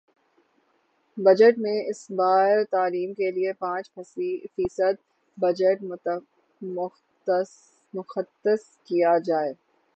budget میں اس بار تعلیم کے لیے پانچ فیصد بجٹ مختص کیا جائے